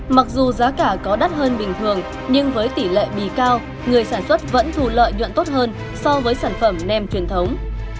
mặc dù giá cả có đắt hơn bình thường nhưng với tỷ lệ bì cao người sản xuất vẫn thù lợi nhuận tốt hơn so với sản phẩm nem truyền thống